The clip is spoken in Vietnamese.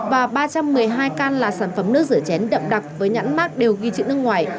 và ba trăm một mươi hai can là sản phẩm nước rửa chén đậm đặc với nhãn mát đều ghi chữ nước ngoài